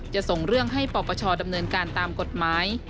ส่งเรื่องให้ปปชดำเนินการตามกฎหมาย